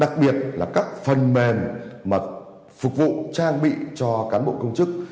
các phần mềm mà phục vụ trang bị cho cán bộ công chức